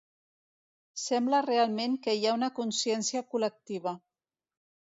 Sembla realment que hi ha una consciència col·lectiva.